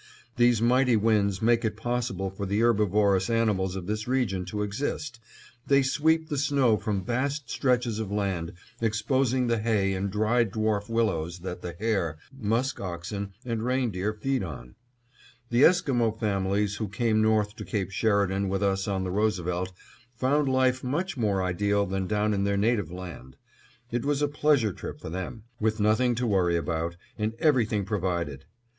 These mighty winds make it possible for the herbivorous animals of this region to exist. They sweep the snow from vast stretches of land, exposing the hay and dried dwarf willows, that the hare, musk oxen, and reindeer feed on. The Esquimo families who came north to Cape Sheridan with us on the Roosevelt found life much more ideal than down in their native land. It was a pleasure trip for them, with nothing to worry about, and everything provided.